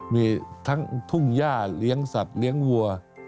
มีทั้งทุ่งย่าเลี้ยงสัตว์เลี้ยงวัว